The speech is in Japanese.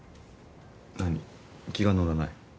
何気が乗らない？